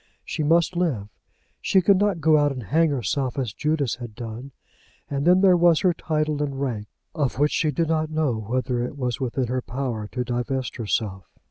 She must live. She could not go out and hang herself as Judas had done. And then there was her title and rank, of which she did not know whether it was within her power to divest herself.